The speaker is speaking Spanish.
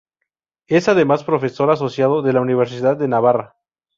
Es además Profesor asociado de la Universidad de Navarra.